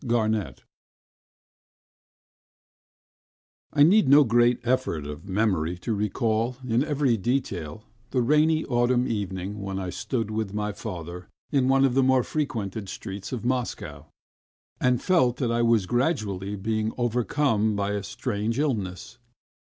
OYSTERS I NEED no great effort of memory to recall, in every detail, the rainy autumn evening when I stood with my father in one of the more frequented streets of Moscow, and felt that I was gradually being overcome by a strange illness.